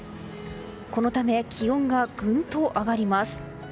このため気温がぐんと上がります。